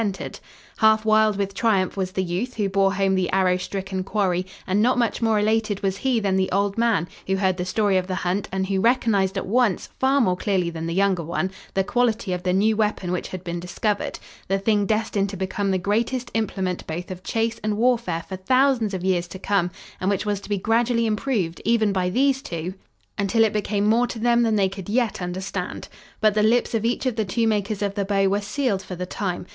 [Illustration: AB SPRANG TO HIS FEET, AND DREW HIS ARROW TO THE HEAD] Half wild with triumph was the youth who bore home the arrow stricken quarry, and not much more elated was he than the old man, who heard the story of the hunt, and who recognized, at once far more clearly than the younger one, the quality of the new weapon which had been discovered; the thing destined to become the greatest implement both of chase and warfare for thousands of years to come, and which was to be gradually improved, even by these two, until it became more to them than they could yet understand. But the lips of each of the two makers of the bow were sealed for the time.